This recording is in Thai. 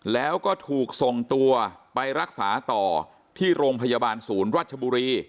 แล้วก็ถูกส่งตัวไปรักษาต่อที่โรงพยาบาลศูนย์รัชบุรี